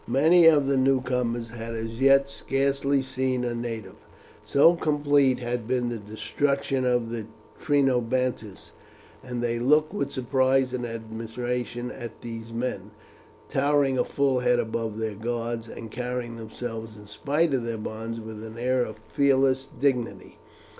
Many of the newcomers had as yet scarcely seen a native, so complete had been the destruction of the Trinobantes, and they looked with surprise and admiration at these men, towering a full head above their guards, and carrying themselves, in spite of their bonds, with an air of fearless dignity.